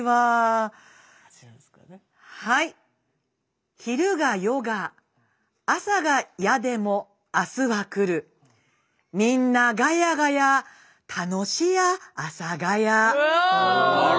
はい「昼が夜が朝が嫌でも明日は来るみんなガヤガヤ楽し家阿佐ヶ谷」。